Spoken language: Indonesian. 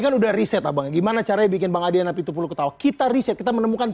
kan udah riset abang gimana caranya bikin bang adian apitupuluh ketawa kita riset kita menemukan